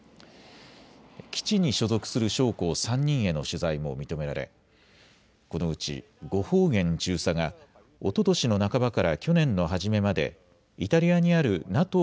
基地に所属する将校３人への取材も認められこのうち呉邦彦中佐がおととしの半ばから去年の初めまでイタリアにあるＮＡＴＯ